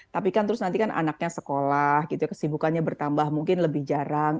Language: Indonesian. tapi kan terus nanti kan anaknya sekolah gitu ya kesibukannya bertambah mungkin lebih jarang